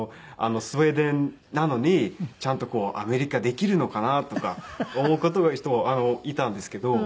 スウェーデンなのにちゃんとアメリカできるのかなとか思う人はいたんですけど。